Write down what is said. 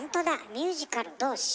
ミュージカル同士。